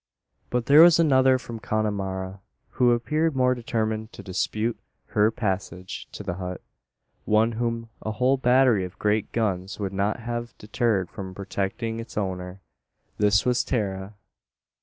But there was another from Connemara, who appeared more determined to dispute her passage to the hut one whom a whole battery of great guns would not have deterred from protecting its owner. This was Tara.